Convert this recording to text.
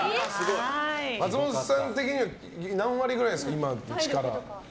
松本さん的には何割ぐらいですか、今の力。